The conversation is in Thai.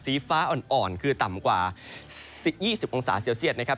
ฟ้าอ่อนคือต่ำกว่า๒๐องศาเซลเซียตนะครับ